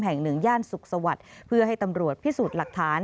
แห่งหนึ่งย่านสุขสวัสดิ์เพื่อให้ตำรวจพิสูจน์หลักฐาน